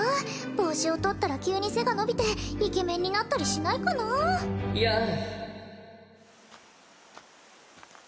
帽子をとったら急に背が伸びてイケメンになったりしないかなやあ